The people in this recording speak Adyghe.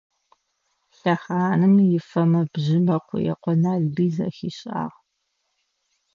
Лъэхъаным ифэмэ-бжьымэ Къуекъо Налбый зэхишӏагъ.